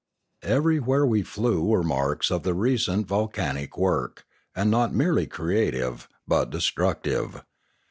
Everywhere we flew were marks of the recent vol canic work; and not merely creative, but destructive.